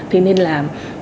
thế nên là